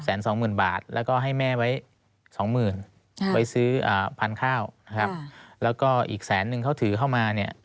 สองหมื่นบาทแล้วก็ให้แม่ไว้สองหมื่นไว้ซื้อพันธุ์ข้าวนะครับแล้วก็อีกแสนนึงเขาถือเข้ามาเนี่ย